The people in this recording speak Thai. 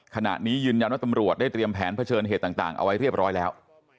ขณะนี้ยืนยันว่าตำรวจได้เตรียมแผนเผชิญเหตุต่างเอาไว้เรียบร้อยแล้ว